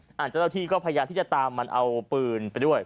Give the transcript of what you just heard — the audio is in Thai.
อ่าท่านกำลังก้แพทย์ก็พยายามที่จะคิดว่ามันเอาปืนไปด้วย